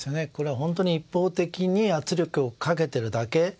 本当に一方的に圧力をかけているだけ。